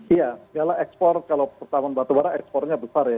iya nilai ekspor kalau pertamun batu bara ekspornya besar ya